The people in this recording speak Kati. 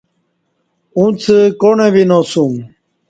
اُݩڅ کوݨہ وِناسوم